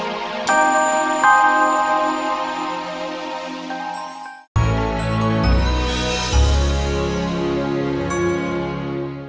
dia dusty itu